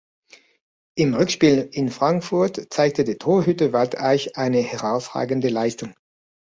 Im Rückspiel in Frankfurt zeigte der Torhüter Walter Eich eine herausragende Leistung.